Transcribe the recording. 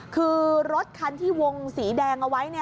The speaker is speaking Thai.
คือรถคันที่วงสีแดงเอาไว้